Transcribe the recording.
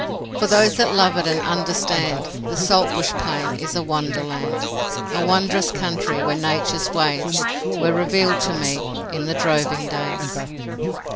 For those that love it and understand, The saltbush plain is a wonderland. A wondrous country, where Nature's ways Were revealed to me in the droving days.